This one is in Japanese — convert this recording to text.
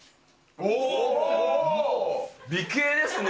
美形ですね。